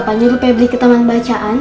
bapak nyuruh pebli ke taman bacaan